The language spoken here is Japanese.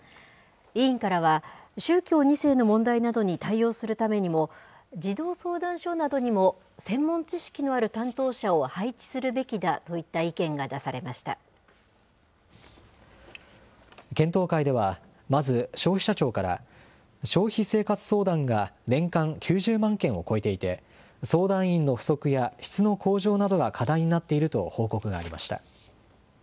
委員からは、宗教２世の問題などに対応するためにも、児童相談所などにも専門知識のある担当者を配置するべきだといっ検討会では、まず消費者庁から、消費生活相談が年間９０万件を超えていて、相談員の不足や質の向上などが課題になっていると報告がありました。